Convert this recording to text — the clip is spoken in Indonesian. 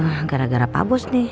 wah gara gara pak bos nih